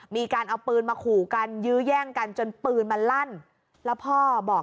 มีการเอาปืนมาขู่กันยื้อแย่งกันจนปืนมันลั่นแล้วพ่อบอก